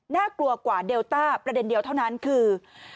น่ากลัวกว่าเดลต้าประเด็นเดียวเท่านั้นคือ